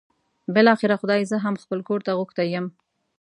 بالاخره خدای زه هم خپل کور ته غوښتی یم.